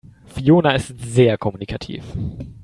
Fiona ist sehr kommunikativ.